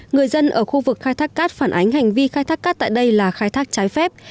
người dân ở khu vực khai thác cát phản ánh hành vi khai thác cát tại đây là khai thác trái phép